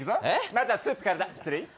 まずはスープからだ、失礼。